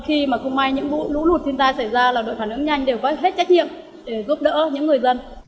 khi mà không may những vụ lũ lụt thiên tai xảy ra là đội phản ứng nhanh đều có hết trách nhiệm để giúp đỡ những người dân